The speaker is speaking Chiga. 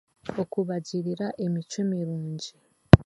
Okubagirira emicwe mirungi